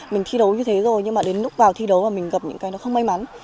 mình thi đấu như thế rồi nhưng mà đến lúc vào thi đấu và mình gặp những cái nó không may mắn